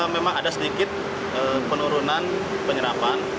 memang ada sedikit penurunan penyerapan